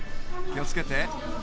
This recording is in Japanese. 気を付けて。